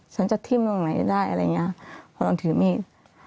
ฉันจะที่มึงไหนได้อะไรอย่างนี้พอต้องถือมีด